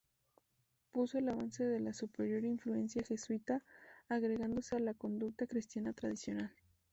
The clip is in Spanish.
Puso el avance de la superior influencia jesuita agregándose a la conducta cristiana tradicional.